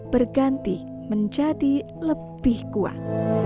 berganti menjadi lebih kuat